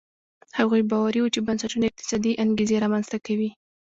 هغوی باوري وو چې بنسټونه اقتصادي انګېزې رامنځته کوي.